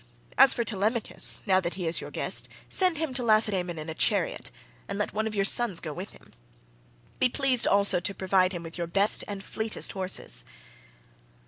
As for Telemachus, now that he is your guest, send him to Lacedaemon in a chariot, and let one of your sons go with him. Be pleased to also provide him with your best and fleetest horses."